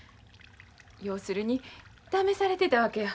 要するに試されてたわけや。